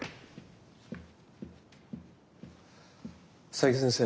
佐伯先生